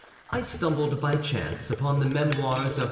I stumbled by chance upon the Memoirs of M.